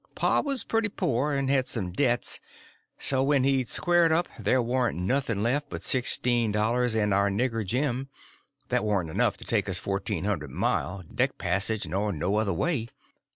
Pa was pretty poor, and had some debts; so when he'd squared up there warn't nothing left but sixteen dollars and our nigger, Jim. That warn't enough to take us fourteen hundred mile, deck passage nor no other way.